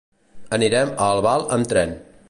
Anirem a Albal amb tren.